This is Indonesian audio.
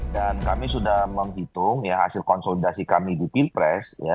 dan kami sudah menghitung hasil konsolidasi kami di pilpres